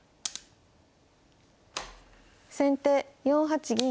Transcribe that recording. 先手４八銀。